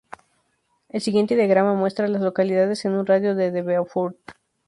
El siguiente diagrama muestra a las localidades en un radio de de Beaufort.